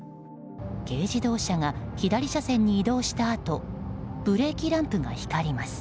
軽自動車が左車線に移動したあとブレーキランプが光ります。